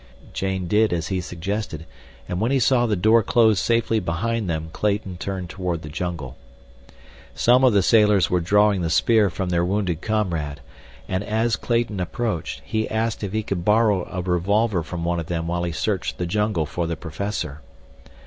Jane did as he suggested and when he saw the door close safely behind them Clayton turned toward the jungle. Some of the sailors were drawing the spear from their wounded comrade and, as Clayton approached, he asked if he could borrow a revolver from one of them while he searched the jungle for the professor.